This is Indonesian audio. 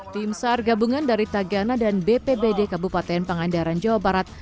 tim sar gabungan dari tagana dan bpbd kabupaten pangandaran jawa barat